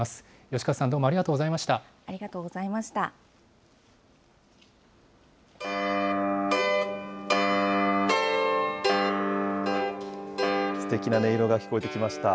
吉川さん、どうもありがとうございました。